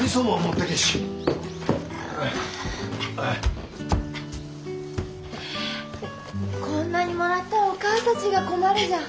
てっこんなにもらったらおかあたちが困るじゃん。